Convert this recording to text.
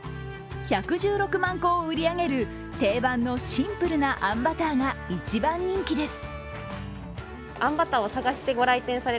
１１６万個を売り上げる定番のシンプルなあんバターが一番人気です。